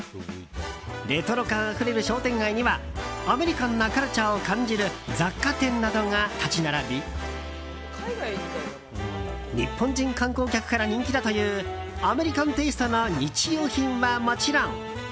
レトロ感あふれる商店街にはアメリカンなカルチャーを感じる雑貨店などが立ち並び日本人観光客から人気だというアメリカンテイストの日用品はもちろん。